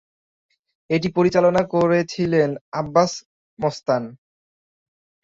এটি পরিচালনা করেছিলেন আব্বাস-মস্তান।